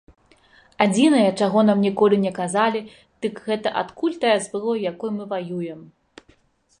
Адзінае, чаго нам ніколі не казалі, дык гэта адкуль тая зброя, якой мы ваюем.